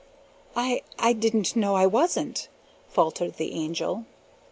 "I I didn't know I wasn't," faltered the Angel.